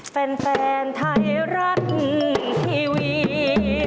แฟนไทยรัฐทีวี